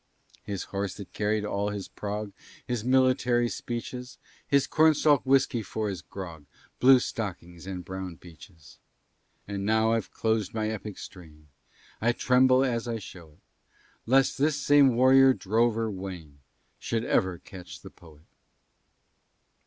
His horse that carried all his prog, His military speeches, His corn stalk whiskey for his grog, Blue stockings and brown breeches. And now I've clos'd my epic strain, I tremble as I show it, Lest this same warrior drover, Wayne, Should ever catch the poet.